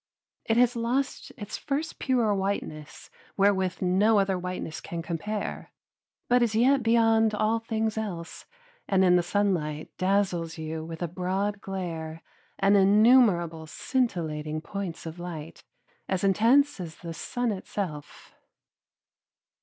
It has lost its first pure whiteness wherewith no other whiteness can compare, but it is yet beyond all things else, and in the sunlight dazzles you with a broad glare and innumerable scintillating points of light, as intense as the sun itself.